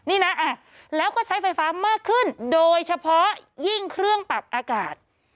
นี่นะแล้วก็ใช้ไฟฟ้ามากขึ้นโดยเฉพาะยิ่งเครื่องปรับอากาศ